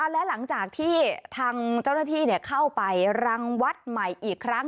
และหลังจากที่ทางเจ้าหน้าที่เข้าไปรังวัดใหม่อีกครั้ง